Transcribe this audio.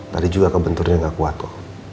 tadi juga kebenturnya nggak kuat pak